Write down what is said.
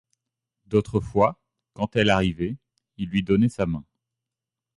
D’autres fois, quand elle arrivait, il lui donnait sa main.